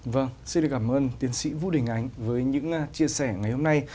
vâng xin được cảm ơn tiến sĩ vũ đình ánh với những chia sẻ ngày hôm nay